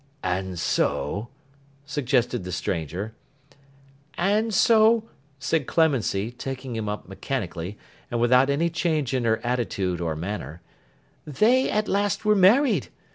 'And so,' suggested the stranger. 'And so,' said Clemency, taking him up mechanically, and without any change in her attitude or manner, 'they at last were married.